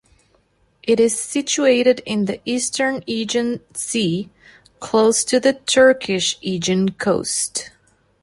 It is situated in the eastern Aegean Sea, close to the Turkish Aegean Coast.